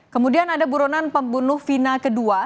kemudian ada buronan pembunuh vina ii